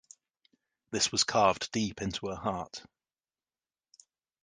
This was carved deep into her heart.